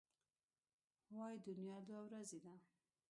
وايي دنیا دوه ورځې ده.